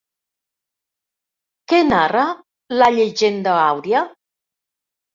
Què narra la Llegenda àuria?